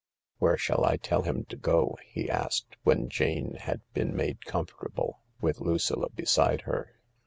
" Where shall I tell him to go ?" he asked, when Jane had been made comfortable, with Lucilla beside her.